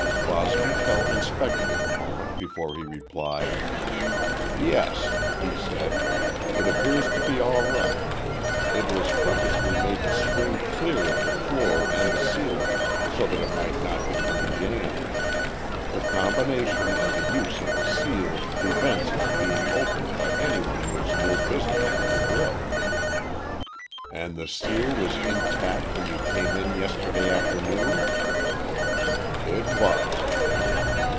Bosbyshell inspected it a moment before he replied. "Yes," he said. "It appears to be all right. It was purposely made to swing clear of the floor and the ceiling so that it might not become jammed. The combination and the use of the seal prevents its being opened by anyone who has no business in the grille." "And the seal was intact when you came in yesterday afternoon?" "It was."